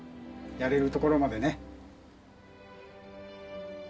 やれるところまでね。